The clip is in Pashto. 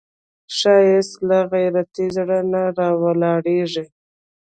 ښایست له غیرتي زړه نه راولاړیږي